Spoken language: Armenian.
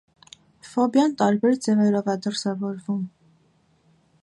Ֆոբիան տարբեր ձևերով է դրսևորվում։